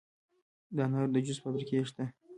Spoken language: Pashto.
د انارو د جوس فابریکې شته.